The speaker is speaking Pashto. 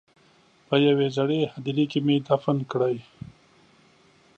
په یوې زړې هدیرې کې مې دفن کړې.